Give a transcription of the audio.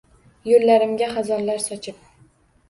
Yo‘llarimga xazonlar sochib?